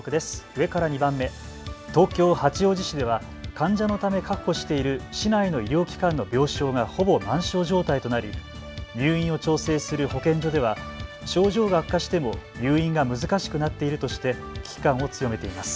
上から２番目東京八王子市では患者のため確保している市内の医療機関の病床がほぼ満床状態となり入院を調整する保健所では症状が悪化しても入院が難しくなっているとして危機感を強めています。